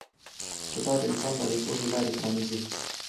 کتاب انسان ته د پوهې لارې پرانیزي.